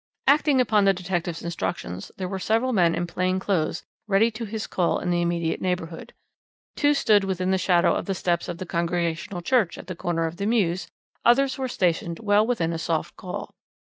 "Acting upon the detective's instructions, there were several men in plain clothes ready to his call in the immediate neighbourhood. Two stood within the shadow of the steps of the Congregational Church at the corner of the mews, others were stationed well within a soft call.